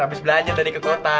habis belanja tadi ke kota